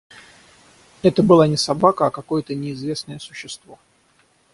Это была не собака, а какое-то неизвестное существо.